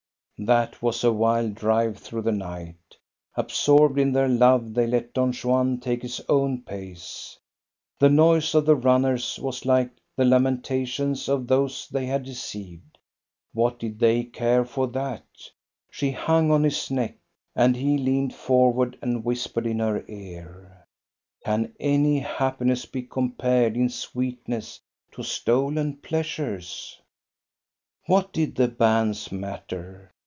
That was a wild drive through the night Ab sorbed in their love, they let Don Juan take his own pace. The noise of the runners was like the lamenta tions of those they had deceived. What did they care for that? She hung on his neck, and he leaned forward and whispered in her ear. " Can any happiness be compared in sweetness to stolen pleasures?" What did the banns matter?